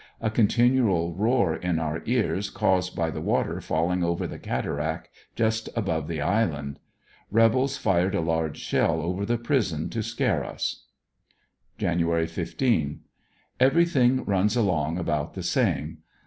A continual roar in our ears caused by the water falling over the cataract just above the island. Rebels fired a large shell over the prison to scare us. Jan. 15. — Everything runs along about the same.